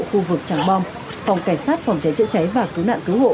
khu vực tràng bom phòng cảnh sát phòng cháy chữa cháy và cứu nạn cứu hộ